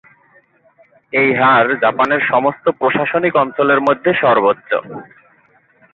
এই হার জাপানের সমস্ত প্রশাসনিক অঞ্চলের মধ্যে সর্বোচ্চ।